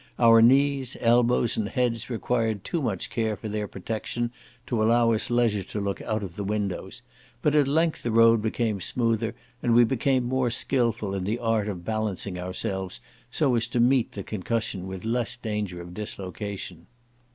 Our knees, elbows, and heads required too much care for their protection to allow us leisure to look out of the windows; but at length the road became smoother, and we became more skilful in the art of balancing ourselves, so as to meet the concussion with less danger of dislocation.